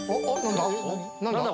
何だ？